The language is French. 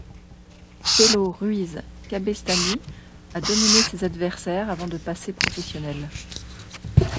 Pello Ruiz Cabestany a dominé ses adversaires avant de passer professionnel.